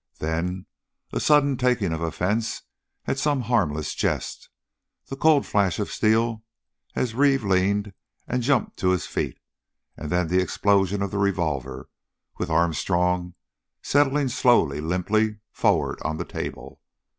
Then, a sudden taking of offense at some harmless jest, the cold flash of steel as Reeve leaned and jumped to his feet, and then the explosion of the revolver, with Armstrong settling slowly, limply forward on the table.